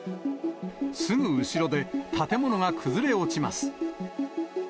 すぐ後ろで建物が崩れ落ちます。